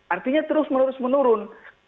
artinya terus menurus menurun